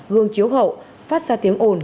gương chiếu hậu phát ra tiếng ồn